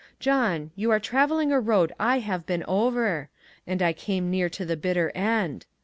John, you are travelling a road I have been over, and I came near to the bit ter end.